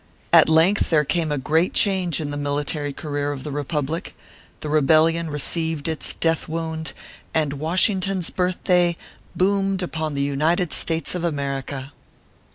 At length there came a great change in the military career of the Kepublic ; the rebellion received its death wound, and Washington s Birthday boomed upon the United States of America.